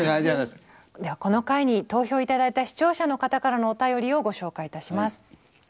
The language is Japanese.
ではこの回に投票頂いた視聴者の方からのお便りをご紹介いたします。